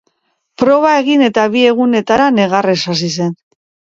Proba egin eta bi egunetara negarrez hasi zen.